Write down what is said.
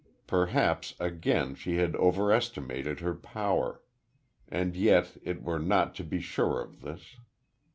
Perhaps, again, she had overestimated her power.... And yet it were not to be sure of this....